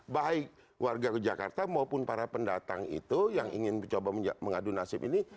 baik warga jakarta maupun para pendatang itu yang ingin mencoba mengadu nasib ini